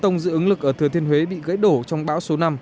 trong cột điện bê tông dự ứng lực ở thừa thiên huế bị gãy đổ trong bão số năm